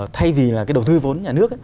thay vì là cái đầu tư vốn nhà nước